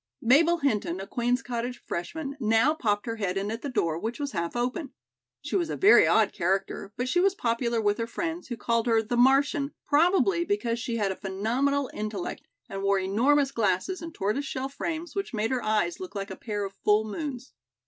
Mabel Hinton, a Queen's Cottage freshman, now popped her head in at the door, which was half open. She was a very odd character, but she was popular with her friends, who called her "The Martian," probably because she had a phenomenal intellect and wore enormous glasses in tortoise shell frames which made her eyes look like a pair of full moons.